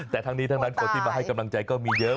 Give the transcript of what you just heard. แต่ทั้งนี้ทั้งนั้นคนที่มาให้กำลังใจก็มีเยอะ